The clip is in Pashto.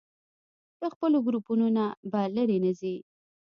له خپلو ګروپونو نه به لرې نه ځئ.